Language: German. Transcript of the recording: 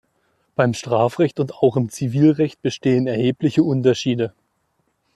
Beim Strafrecht und auch im Zivilrecht bestehen erhebliche Unterschiede.